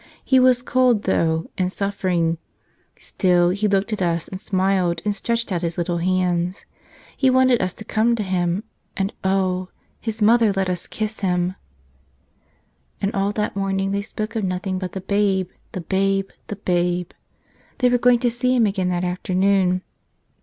He was cold, though, and suffering. Still, He looked at us and smiled and stretched out His little hands. He wanted us to come to Him — and oh! His Mother let us kiss Him!" And 118 The Shepherd Boy all that morning they spoke of nothing but the Babe, the Babe, the Babe. They were going to see Him again that afternoon.